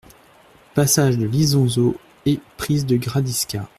Passage de l'Isonzo et prise de Gradisca.